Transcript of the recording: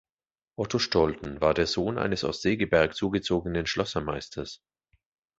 Otto Stolten war der Sohn eines aus Segeberg zugezogenen Schlossermeisters.